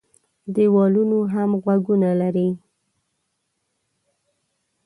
دېوالونو هم غوږونه لري.